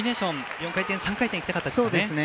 ４回転、３回転にしたかったですね。